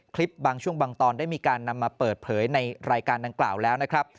คลิปบางช่วงบางตอนได้มีการนำมาเปิดเผยในรายการดังกล่าวแล้วนะครับ